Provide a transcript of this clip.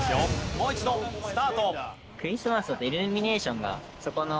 もう一度スタート！